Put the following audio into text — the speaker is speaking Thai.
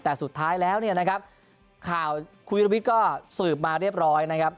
แต่สุดท้ายแล้วเนี่ยนะครับข่าวคุณวิรวิทย์ก็สืบมาเรียบร้อยนะครับ